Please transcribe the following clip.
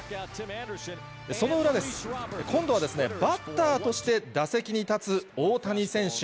その裏です。今度はバッターとして打席に立つ大谷選手。